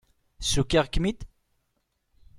Ssukiɣ-kem-id?